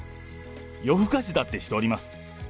夜更かしだってしております。